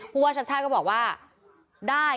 ผู้ว่าชัดช่างบอกว่าได้